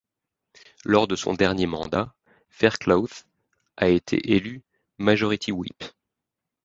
Lors de son dernier mandat, Faircloth a été élu Majority Whip.